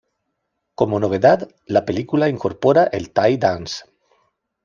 Como novedad, la película incorpora el Thai dance.